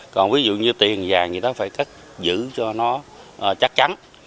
còn ví dụ như tiền vàng người ta phải cất giữ cho nó chắc chắn